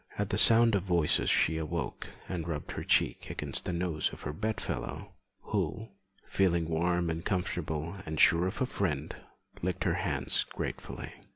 At the sound of voices she awoke, and rubbed her cheek against the nose of her bedfellow, who, feeling warm and comfortable and sure of a friend, licked her hands gratefully.